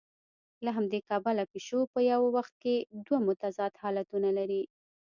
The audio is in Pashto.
له همدې کبله پیشو په یوه وخت کې دوه متضاد حالتونه لري.